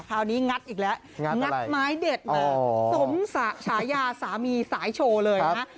คราวนี้งัดอีกแล้วงัดไม้เด็ดมาสมสายาสามีสายโชว์เลยค่ะ